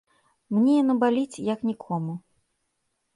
Мне яно баліць, як нікому.